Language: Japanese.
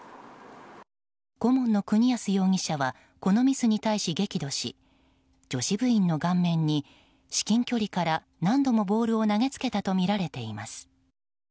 顧問の国安容疑者はこのミスに対し激怒し女子部員の顔面に至近距離から、顔面に何度もボールを投げつけたとみられています。